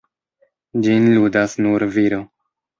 Ĝin ludas nur viro.